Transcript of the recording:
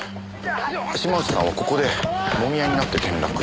島内さんはここでもみ合いになって転落。